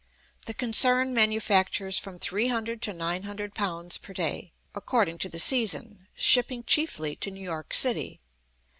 The concern manufactures from three hundred to nine hundred pounds per day, according to the season, shipping chiefly to New York city.